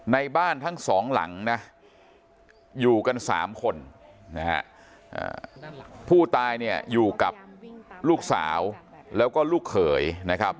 ในบ้านทั้งสองหลังนะอยู่กัน๓คนนะฮะผู้ตายเนี่ยอยู่กับลูกสาวแล้วก็ลูกเขยนะครับ